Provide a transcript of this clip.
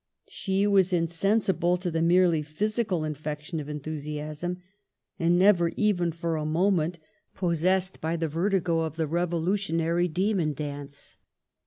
She was insensible to the merely physical infection of enthusiasm, and never even for a mo ment possessed by the vertigo of the revolution ary demon dance.